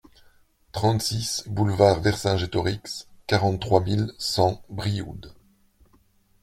trente-six boulevard Vercingétorix, quarante-trois mille cent Brioude